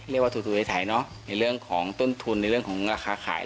ไม่ว่าถูทูท้ายเนาะในเรื่องของต้นทุนในเรื่องของราคาขาย